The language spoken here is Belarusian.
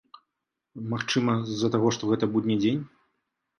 Магчыма, з-за таго, што гэта будні дзень.